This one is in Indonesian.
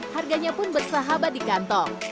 harganya pun bersahabat di kantong